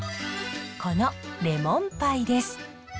このレモンパイです。